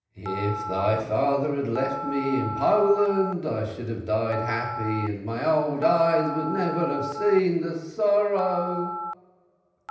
If thy father had left me in Poland, I should have died happy and my old eyes would never have seen the sorrow.